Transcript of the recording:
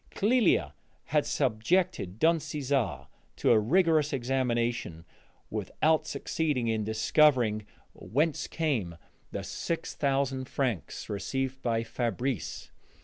Clélia had subjected Don Cesare to a rigorous examination, without succeeding in discovering whence came the six thousand francs received by Fabrice.